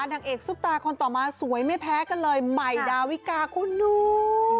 นางเอกซุปตาคนต่อมาสวยไม่แพ้กันเลยใหม่ดาวิกาคุณดู